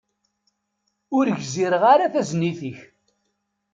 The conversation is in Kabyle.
Ur gziɣ ara tagnizit-ik.